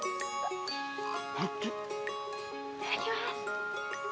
いただきます。